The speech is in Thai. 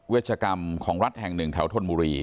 ชกรรมของรัฐแห่งหนึ่งแถวธนบุรี